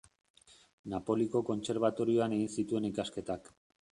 Napoliko Kontserbatorioan egin zituen ikasketak.